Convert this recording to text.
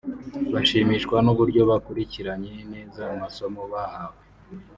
bashimishwa n’uburyo bakurikiranye neza amasomo bahawe